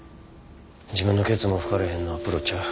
自分のケツも拭かれへんのはプロちゃう。